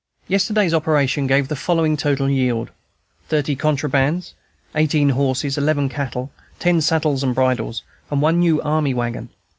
Yesterday's operations gave the following total yield: Thirty 'contrabands,' eighteen horses, eleven cattle, ten saddles and bridles, and one new army wagon.